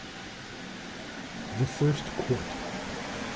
THE FIRST COURT.